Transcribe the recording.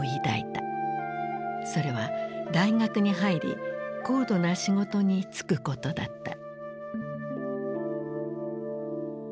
それは大学に入り高度な仕事に就くことだった。